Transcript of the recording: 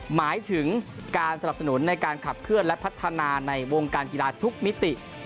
หมายถึงการสนับสนุนในการขับเคลื่อนและพัฒนาในวงการกีฬาทุกมิติ